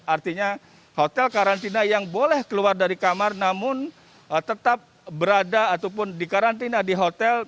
artinya hotel karantina yang boleh keluar dari kamar namun tetap berada ataupun dikarantina di hotel